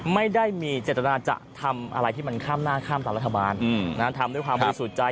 ไม่ได้มีเจตนาจะทำอะไรที่มันข้ามหน้าข้ามต่างรัฐบาลอืมนะฮะทำด้วยความมีสุดใจ